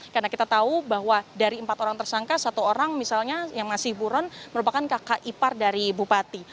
karena kita tahu bahwa dari empat orang tersangka satu orang misalnya yang masih buron merupakan kakak ipar dari bupati